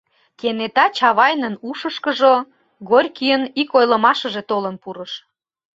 Кенета Чавайнын ушышкыжо Горькийын ик ойлымашыже толын пурыш.